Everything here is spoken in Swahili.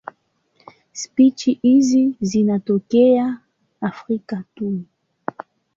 Spishi hizi zinatokea Afrika tu.